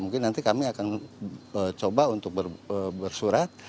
mungkin nanti kami akan coba untuk bersurat